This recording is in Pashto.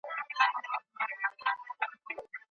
ایا خلګ له چارو څخه ګټه اخلي؟